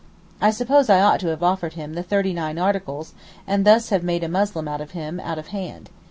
I suppose I ought to have offered him the Thirty nine Articles, and thus have made a Muslim of him out of hand.